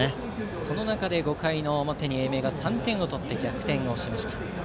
その中で５回の表に英明が３点を取って逆転しました。